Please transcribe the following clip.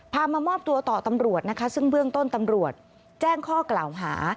มามอบตัวต่อตำรวจนะคะซึ่งเบื้องต้นตำรวจแจ้งข้อกล่าวหา